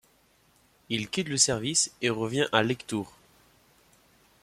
Il quitte le service et revient à Lectoure.